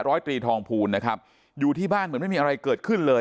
ร้อยตรีทองภูลนะครับอยู่ที่บ้านเหมือนไม่มีอะไรเกิดขึ้นเลย